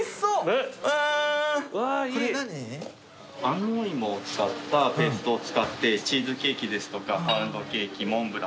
安納いもを使ったペーストを使ってチーズケーキですとかパウンドケーキモンブラン。